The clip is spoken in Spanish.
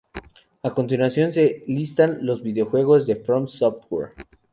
A continuación se listan los videojuegos de From Software.